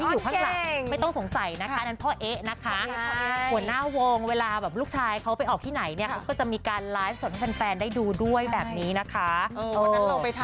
อย่างไรก็ฝากเด็กน้อยตามเบี้ยวด้วยนะครับ